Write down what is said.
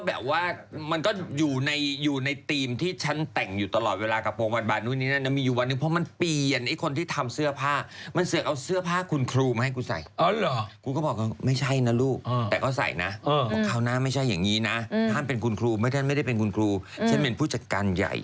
แบบนี้สุดแค้นแสนรักจะเอียงเตีเวอร์อันนี้ดังทรมทลายมากใครก็ดูค่ะใครก็พูดถึงนะคะ